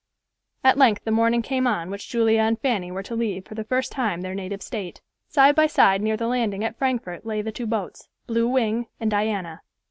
At length the morning came on which Julia and Fanny were to leave for the first time their native state. Side by side near the landing at Frankfort lay the two boats, Blue Wing and Diana.